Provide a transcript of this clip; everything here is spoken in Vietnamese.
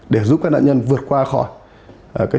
để giúp các nạn nhân vượt qua khỏi